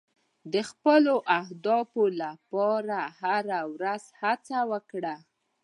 د خپلو اهدافو لپاره هره ورځ هڅه وکړه.